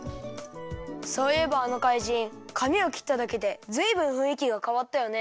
そういえばあのかいじんかみをきっただけでずいぶんふんいきがかわったよね。